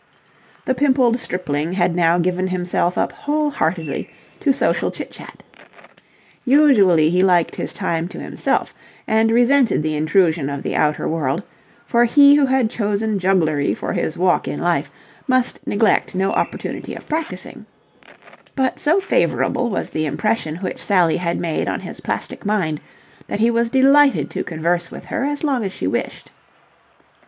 The pimpled stripling had now given himself up wholeheartedly to social chit chat. Usually he liked his time to himself and resented the intrusion of the outer world, for he who had chosen jugglery for his walk in life must neglect no opportunity of practising: but so favourable was the impression which Sally had made on his plastic mind that he was delighted to converse with her as long as she wished.